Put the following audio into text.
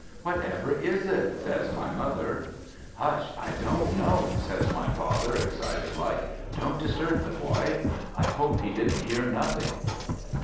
'Whatever is it?' says my mother. 'Hush! I don't know,' says my father, excited like, 'don't disturb the boy. I hope he didn't hear nothing.'